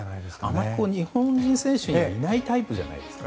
あまり日本人選手にはいないタイプじゃないですか。